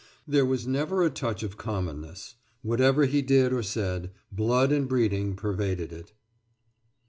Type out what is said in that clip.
There was never a touch of commonness. Whatever he did or said, blood and breeding pervaded it.